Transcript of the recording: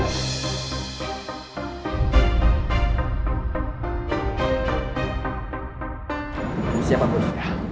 ini siapa bos